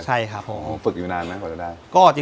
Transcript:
ใช่ครับผมฝึกอยู่นานไหมกว่าจะได้